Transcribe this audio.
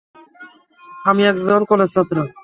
আমি একজন কলেজ ছাত্র।